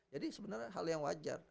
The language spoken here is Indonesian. jadi sebenarnya hal yang wajar